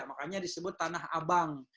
makanya disebut tanah abang